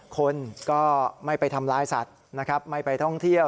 คนก็ไม่ไปทำลายสัตว์นะครับไม่ไปท่องเที่ยว